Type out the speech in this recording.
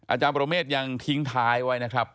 อาจารย์ปรเมฆยังทิ้งท้ายไว้นะครับ